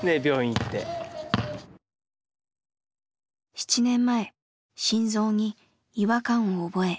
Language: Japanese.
７年前心臓に違和感を覚え入院。